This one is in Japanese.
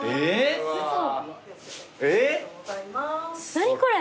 何これ？